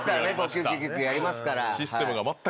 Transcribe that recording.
キュッキュキュッキュやりますから。